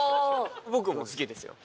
僕も好きですよ。